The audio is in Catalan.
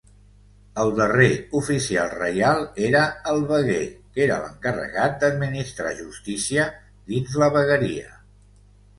El darrer oficial reial era el veguer, que era l’encarregat d’administrar justícia dins la vegueria.